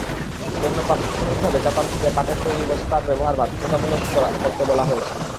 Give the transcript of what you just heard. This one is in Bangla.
এজন্য প্রাথমিকভাবে চাতাল থেকে পাটের তৈরি বস্তার ব্যবহার বাধ্যতামূলক করতে বলা হয়েছে।